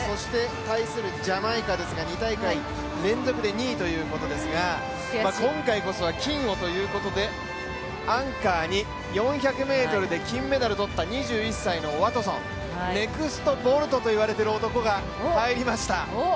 対するジャマイカですが、２大会連続で銀ということですが今回こそは金をということでアンカーに４００ｍで金メダルを取った２１歳のワトソン、ネクスト・ボルトといわれている男が入りました。